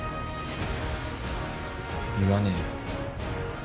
言わねえよ